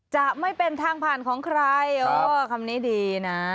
จะไม่เป็นทางผ่านของใครเออคำนี้ดีนะ